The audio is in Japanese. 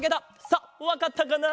さあわかったかな？